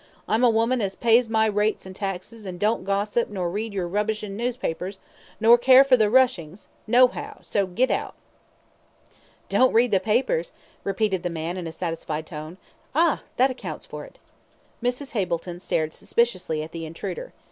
I'm a woman as pays my rates an' taxes, and don't gossip nor read yer rubbishin' newspapers, nor care for the Russings, no how, so git out." "Don't read the papers?" repeated the man, in a satisfied tone, "ah! that accounts for it." Mrs. Hableton stared suspiciously at the intruder.